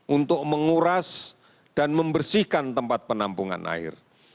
untuk menguras dan membersihkan tempat penampungan air